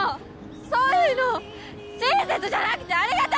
そういうの親切じゃなくてありがた